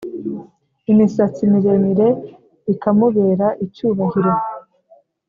imisatsi miremire bikamubera icyubahiro